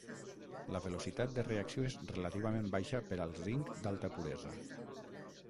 La velocitat de reacció és relativament baixa per al zinc d'alta puresa.